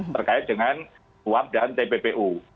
terkait dengan uap dan tppu